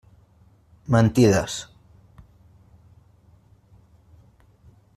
Mentides.